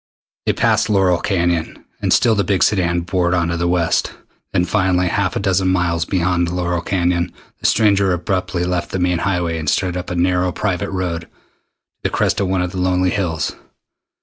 They passed Laurel Canyon, and still the big sedan bored on to the west. Then finally, half a dozen miles beyond Laurel Canyon, the stranger abruptly left the main highway and started up a narrow private road to the crest of one of the lonely hills.